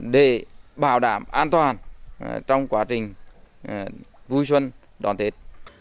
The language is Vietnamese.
để bảo đảm an toàn trong quá trình vui xuân đón tết